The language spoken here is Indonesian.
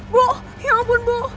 bu ya ampun bu